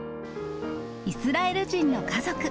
イスラエル人の家族。